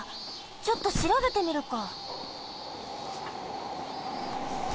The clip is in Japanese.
ちょっとしらべてみるか。